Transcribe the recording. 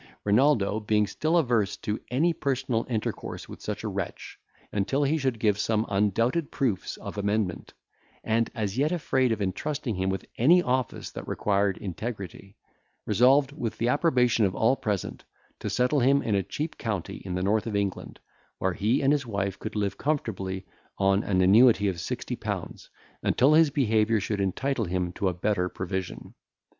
Renaldo being still averse to any personal intercourse with such a wretch, until he should give some undoubted proofs of amendment, and, as yet afraid of intrusting him with any office that required integrity, resolved, with the approbation of all present, to settle him in a cheap county in the north of England, where he and his wife could live comfortably on an annuity of sixty pounds, until his behaviour should entitle him to a better provision.